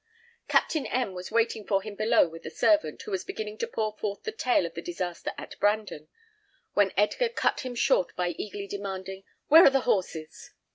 Captain M was waiting for him below with the servant, who was beginning to pour forth the tale of the disaster at Brandon, when Edgar cut him short by eagerly demanding, "Where are the horses?"